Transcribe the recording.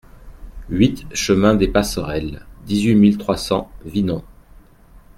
huit chemin des Passerelles, dix-huit mille trois cents Vinon